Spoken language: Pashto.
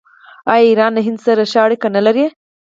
آیا ایران له هند سره ښه اړیکې نلري؟